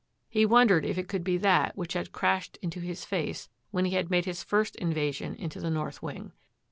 He wondered if it could be that which had crashed into his face when he had made his first invasion into the north wing.